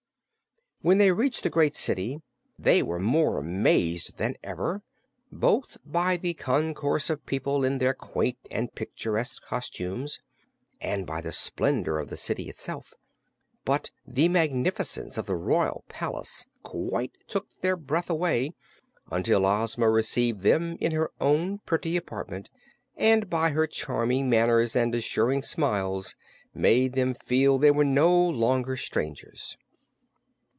When they reached the great city they were more amazed than ever, both by the concourse of people in their quaint and picturesque costumes, and by the splendor of the city itself. But the magnificence of the Royal Palace quite took their breath away, until Ozma received them in her own pretty apartment and by her charming manners and assuring smiles made them feel they were no longer strangers.